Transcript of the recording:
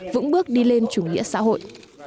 vững bước đi lên chủ nghĩa xã hội